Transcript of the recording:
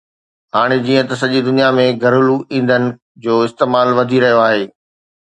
هاڻي جيئن ته سڄي دنيا ۾ گهريلو ايندھن جو استعمال وڌي رهيو آهي